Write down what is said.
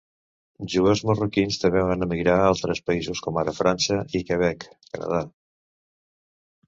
Jueus marroquins també van emigrar a altres països, com ara França i Quebec, Canadà.